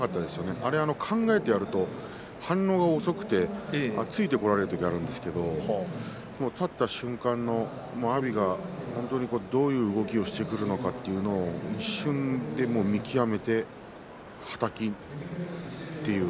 あれは考えてやると反応が遅くてついてこられる時があるんですけれど立った瞬間の阿炎が本当にどういう動きをしてくるのかというのを一瞬で見極めてはたきという。